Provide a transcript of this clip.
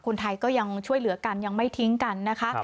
คนไทยก็ยังช่วยเหลือกันยังไม่ทิ้งกันนะคะ